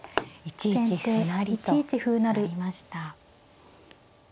１一歩成と成りました。